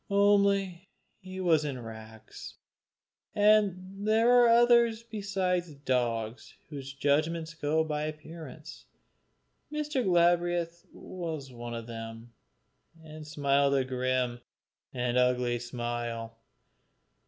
Only he was in rags, and there are others besides dogs whose judgments go by appearance. Mr. Galbraith was one of them, and smiled a grim, an ugly smile.